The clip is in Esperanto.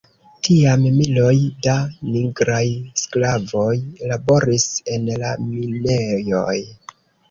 Tiam miloj da nigraj sklavoj laboris en la minejoj.